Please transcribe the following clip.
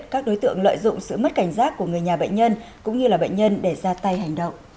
các đối tượng lợi dụng sự mất cảnh giác của người nhà bệnh nhân cũng như là bệnh nhân để ra tay hành động